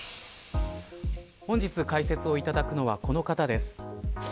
本日解説をいただくのはこの方です。